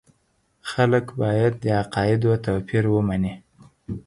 خلک باید د عقایدو توپیر ومني.